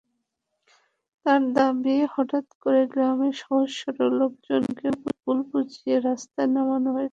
তাঁর দাবি, হঠাৎ করে গ্রামের সহজ-সরল লোকজনকে ভুল বুঝিয়ে রাস্তায় নামানো হয়েছে।